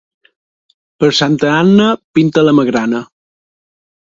Per Santa Anna pinta la magrana.